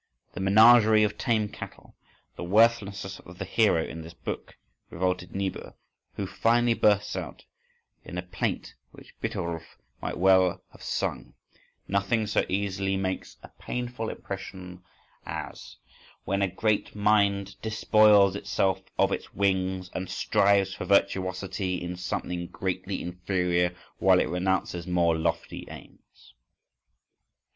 The "Menagerie of tame cattle," the worthlessness of the hero in this book, revolted Niebuhr, who finally bursts out in a plaint which _Biterolf_(8) might well have sung: "nothing so easily makes a painful impression as _when a great mind despoils itself of its wings and strives for virtuosity in something greatly inferior, while it renounces more lofty aims_."